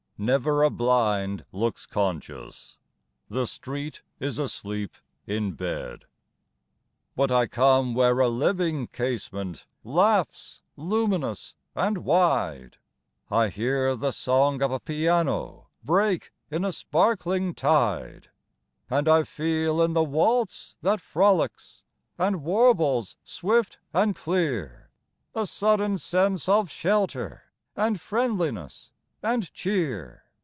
Never a blind looks conscious The street is asleep in bed! But I come where a living casement Laughs luminous and wide; I hear the song of a piano Break in a sparkling tide; And I feel, in the waltz that frolics And warbles swift and clear, A sudden sense of shelter And friendliness and cheer